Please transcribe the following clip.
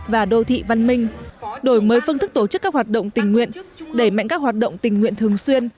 và đô thị văn minh đổi mới phương thức tổ chức các hoạt động tình nguyện đẩy mạnh các hoạt động tình nguyện thường xuyên